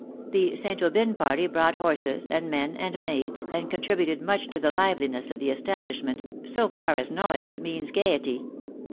The St. Aubyn party brought horses, and men and maids^ and contributed much to the liveliness of the establishment, so far as noise means gaiety.